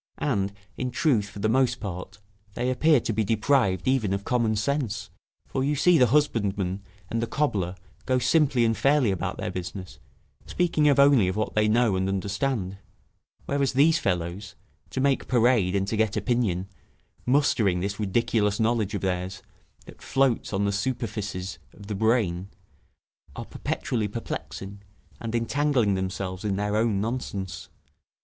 And, in truth, for the most part, they appear to be deprived even of common sense; for you see the husbandman and the cobbler go simply and fairly about their business, speaking only of what they know and understand; whereas these fellows, to make parade and to get opinion, mustering this ridiculous knowledge of theirs, that floats on the superficies of the brain, are perpetually perplexing, and entangling themselves in their own nonsense.